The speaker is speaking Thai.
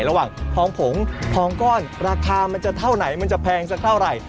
ทองผงทองก้อนราคามันจะเท่าไหนมันจะแพงสักเท่าไหร่